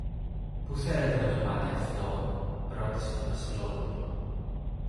Πού θέλετε να το πάτε αυτό; ρώτησε το Βασιλόπουλο.